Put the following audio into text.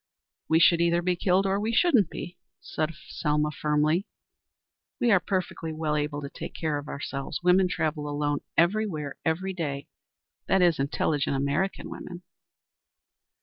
"We should either be killed or we shouldn't be," said Selma firmly. "We are perfectly well able to take care of ourselves. Women travel alone everywhere every day that is, intelligent American women."